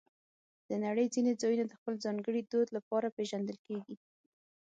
د نړۍ ځینې ځایونه د خپل ځانګړي دود لپاره پېژندل کېږي.